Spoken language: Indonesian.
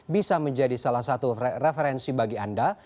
bisa menjadi salah satu referensi bagi anda